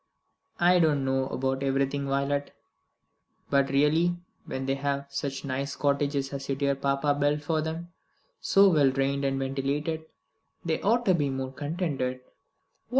"I don't know about everything, Violet; but really, when they have such nice cottages as your dear papa built for them, so well drained and ventilated, they ought to be more contented."